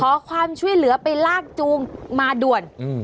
ขอความช่วยเหลือไปลากจูงมาด่วน